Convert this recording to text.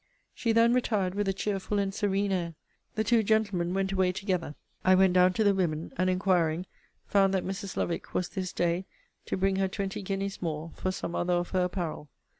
She then retired with a cheerful and serene air. The two gentlemen went away together. I went down to the women, and, inquiring, found, that Mrs. Lovick was this day to bring her twenty guineas more, for some other of her apparel.